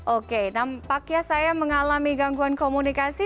oke nampaknya saya mengalami gangguan komunikasi